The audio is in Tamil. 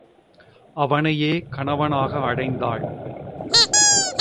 அவனையே கணவனாக அடைந்தாள்.